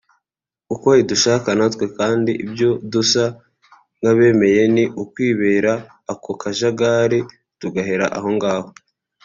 uko idushaka natwe kandi ibyo dusa nk'abemeye ni ukwibera ako kajagari tugahera aho ngaho